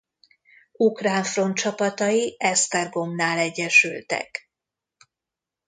Ukrán Front csapatai Esztergomnál egyesültek.